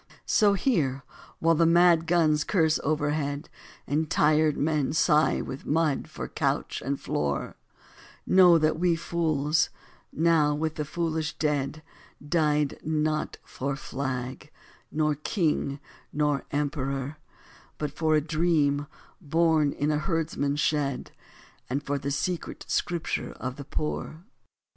So here, while the mad guns curse overhead, And tired men sigh with mud for couch and floor, Know that we fools, now with the foolish dead, Died not for flag, nor King, nor Emperor, But for a dream, born in a herdsman's shed, And for the secret Scripture of the poor.